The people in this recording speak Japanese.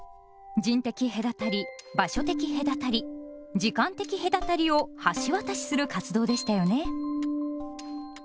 人的隔たり・場所的隔たり時間的隔たりを橋渡しする活動でしたよね。